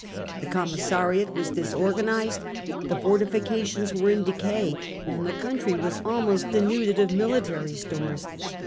The commissariat was disorganised, the forti fications were in decay, and the country was almost denuded of military stores.